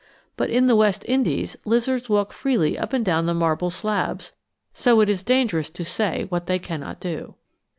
But in the West Indies lizards walk freely up and down the marble slabs, so it is dangerous to say what they cannot do.